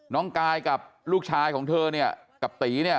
น้องกายกับลูกชายของเธอเนี่ยกับตีเนี่ย